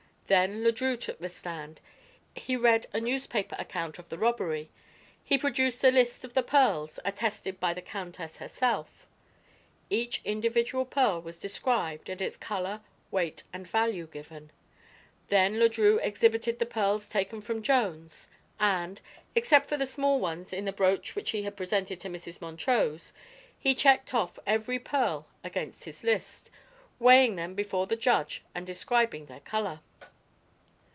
Then Le Drieux took the stand. He read a newspaper account of the robbery. He produced a list of the pearls, attested by the countess herself. Each individual pearl was described and its color, weight and value given. Then Le Drieux exhibited the pearls taken from Jones and, except for the small ones in the brooch which had been presented to Mrs. Montrose, he checked off every pearl against his list, weighing them before the judge and describing their color.